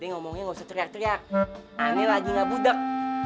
aneh ngomongnya gausah teriak teriak aneh lagi ga budeg